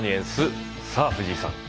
さあ藤井さん。